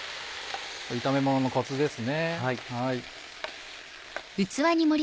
炒めもののコツですね。